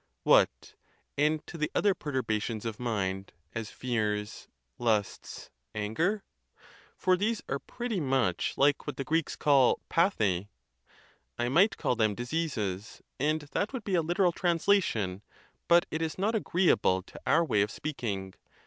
What, and to the other perturbations of mind, as fears, lusts, anger? For these are pretty much like what the Greeks call 746y. I might call them diseases, and that would be a literal translation, but it is not agreeable to our way of speaking.